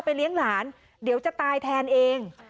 เลี้ยงหลานเดี๋ยวจะตายแทนเอง